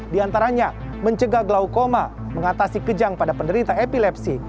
di antaranya mencegah glaucoma mengatasi kejang pada penderita epilepsi